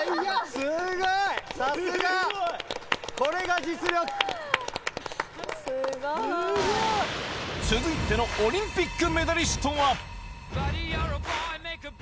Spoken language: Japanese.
すごい。続いてのオリンピックメダリストは。